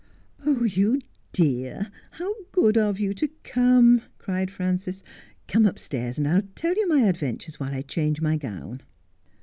' You dear ! how good of you to come !' cried Frances. ' Come upstairs, and I'll tell you my adventures while I change my gown.'